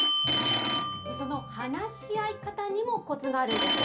その話し合い方にもこつがあるんです。